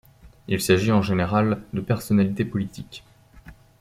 Il s'agit en général de personnalités politiques.